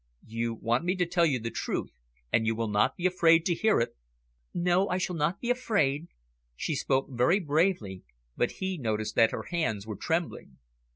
"You want me to tell you the truth, and you will not be afraid to hear it?" "No, I shall not be afraid." She spoke very bravely, but he noticed that her hands were trembling.